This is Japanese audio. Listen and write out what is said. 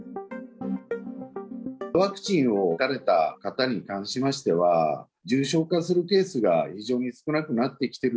ワクチンを打たれた方に関しましては、重症化するケースが非常に少なくなってきている。